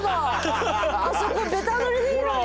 あそこベタ塗りでいいのに！